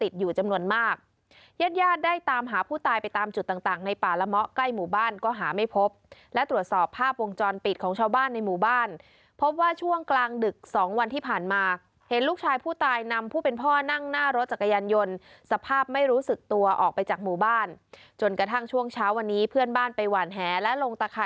จำนวนมากญาติญาติได้ตามหาผู้ตายไปตามจุดต่างต่างในป่าละเมาะใกล้หมู่บ้านก็หาไม่พบและตรวจสอบภาพวงจรปิดของชาวบ้านในหมู่บ้านพบว่าช่วงกลางดึกสองวันที่ผ่านมาเห็นลูกชายผู้ตายนำผู้เป็นพ่อนั่งหน้ารถจักรยานยนต์สภาพไม่รู้สึกตัวออกไปจากหมู่บ้านจนกระทั่งช่วงเช้าวันนี้เพื่อนบ้านไปหวานแหและลงตะค